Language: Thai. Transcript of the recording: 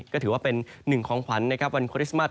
ก็ถือว่าเป็นหนึ่งคล้องพรรณในวันคอริสตมัส